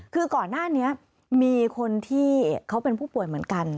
คือก่อนหน้านี้มีคนที่เขาเป็นผู้ป่วยเหมือนกัน